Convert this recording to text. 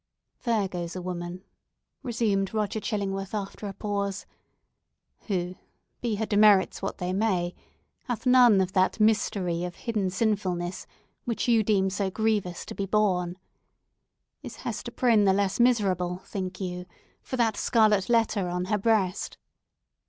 "There goes a woman," resumed Roger Chillingworth, after a pause, "who, be her demerits what they may, hath none of that mystery of hidden sinfulness which you deem so grievous to be borne. Is Hester Prynne the less miserable, think you, for that scarlet letter on her breast?"